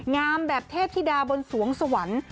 งามแบบเทพธิดาบนสวงสวรรค์